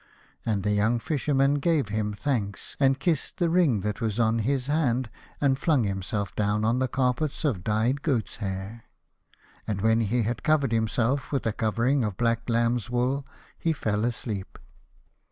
And the young Fisherman gave him thanks, and kissed the ring that was on his hand, and flung himself down on the carpets of dyed goat's hair. And when he had covered himself with a covering of black lamb's wool he fell asleep.